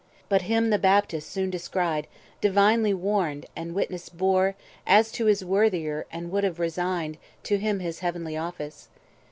But him the Baptist soon Descried, divinely warned, and witness bore As to his worthier, and would have resigned To him his heavenly office.